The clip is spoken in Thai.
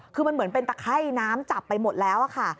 คือมันเหมือนเป็นตะไข้น้ำจับไปหมดแล้วค่ะ